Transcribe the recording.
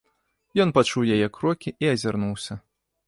Ён пачуў яе крокі і азірнуўся.